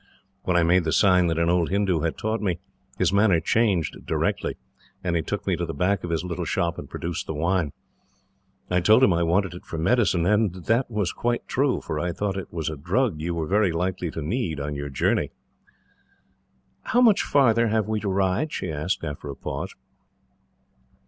When I made the sign that an old Hindoo had taught me, his manner changed directly, and he took me to the back of his little shop, and produced the wine. I told him I wanted it for medicine, and that was quite true, for I thought it was a drug you were very likely to need, on your journey." "How much farther have we to ride?" she asked, after a pause.